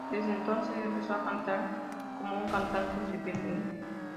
Desde entonces, empezó a cantar como un cantante independiente.